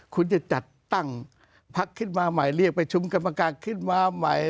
คุณจะจัดตั้งพักขึ้นมาใหม่เรียกประชุมกรรมการขึ้นมาใหม่